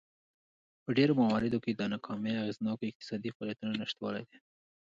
په ډېرو مواردو کې دا ناکامي د اغېزناکو اقتصادي فعالیتونو نشتوالی دی.